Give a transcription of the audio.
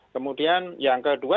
kemudian yang kedua